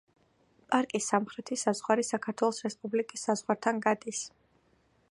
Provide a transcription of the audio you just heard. პარკის სამხრეთი საზღვარი საქართველოს რესპუბლიკის საზღვართან გადის.